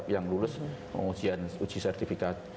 yang lulus pengujian uji sertifikat